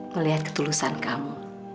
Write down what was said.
melihat ketulusan kamu